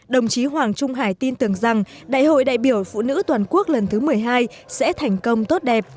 đồng chí hoàng trung hải tin tưởng rằng đại hội đại biểu phụ nữ toàn quốc lần thứ một mươi hai sẽ thành công tốt đẹp